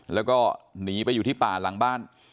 แล้วก็หนีไปอยู่ที่ป่าหลังบ้าน